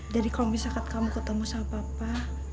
jadi kalau misalkan kamu ketemu sama papa